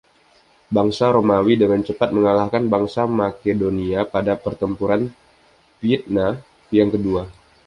Bangsa Romawi dengan cepat mengalahkan bangsa Makedonia pada pertempuran Pydna yang kedua.